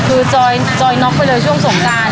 คือจอยน็อกไปเลยช่วงสงการ